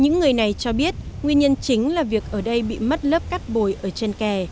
những người này cho biết nguyên nhân chính là việc ở đây bị mất lớp cát bồi ở chân kè